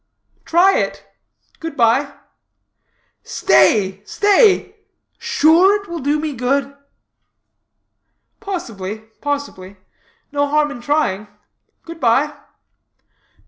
"Try it. Good bye." "Stay, stay! Sure it will do me good?" "Possibly, possibly; no harm in trying. Good bye."